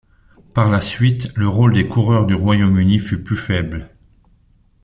Par la suite, le rôle des coureurs du Royaume-Uni fut plus faible.